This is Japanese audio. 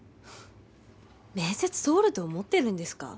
面接通ると思ってるんですか？